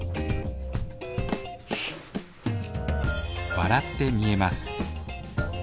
笑って見えます